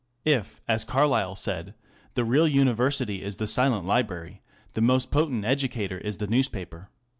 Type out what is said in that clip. If, as Carlyle said, the real university is the silent library, the most potent educator is the newspaper.